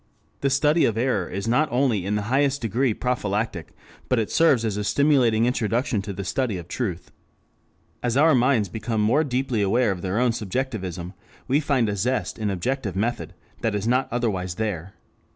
The study of error is not only in the highest degree prophylactic, but it serves as a stimulating introduction to the study of truth. As our minds become more deeply aware of their own subjectivism, we find a zest in objective method that is not otherwise there.